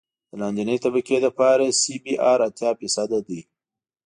د لاندنۍ طبقې لپاره سی بي ار اتیا فیصده دی